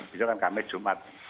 besok kan kamis jumat